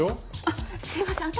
あっすいません。